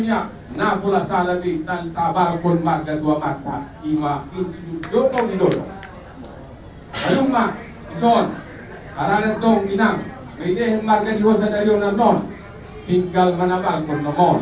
yang tentunya dalam kesempatan ini kami jadi raja sepilau